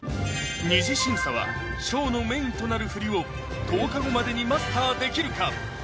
二次審査はショーのメインとなる振りを１０日後までにマスターできるか？